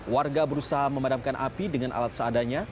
warga berusaha memadamkan api dengan alat seadanya